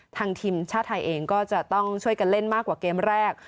ทางทีมชาติไทยเองก็จะต้องช่วยกันเล่นมากกว่าเกมแรก